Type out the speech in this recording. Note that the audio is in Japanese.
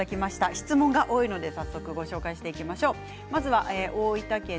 質問が多いので早速ご紹介していきましょう。